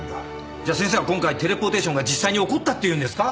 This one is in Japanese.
じゃあ先生は今回テレポーテーションが実際に起こったっていうんですか？